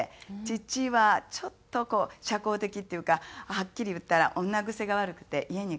父はちょっとこう社交的っていうかはっきり言ったら女癖が悪くて家に帰ってこなくて。